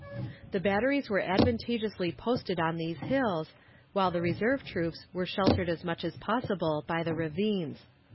The batteries were advantageously posted on those hills, while the reserve troops were sheltered as much as possible by the ravines.